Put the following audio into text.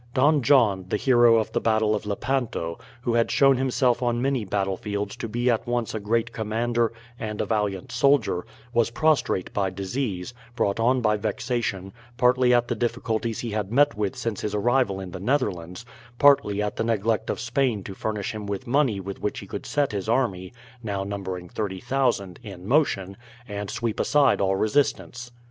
Don John, the hero of the battle of Lepanto, who had shown himself on many battlefields to be at once a great commander and a valiant soldier, was prostrate by disease, brought on by vexation, partly at the difficulties he had met with since his arrival in the Netherlands, partly at the neglect of Spain to furnish him with money with which he could set his army, now numbering 30,000, in motion, and sweep aside all resistance.